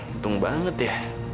untung banget ya